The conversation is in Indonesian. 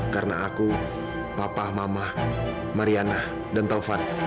karena aku papa mama mariana dan aku